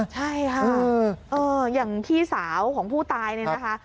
ใช่ค่ะอย่างพี่สาวของผู้ตายเนี่ยนะคะ